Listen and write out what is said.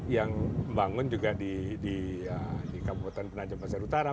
yang membangun juga di kabupaten penajam pasar utara